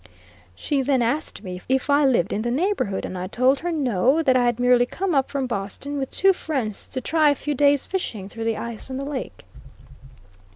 She then asked me if I lived in the neighborhood, and I told her no; that I had merely come up from Boston with two friends to try a few days' fishing through the ice on the lake.